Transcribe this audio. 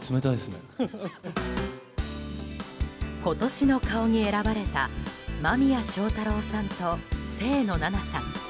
今年の顔に選ばれた間宮祥太朗さんと清野菜名さん。